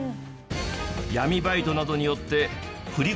闇バイトなどによって振り込め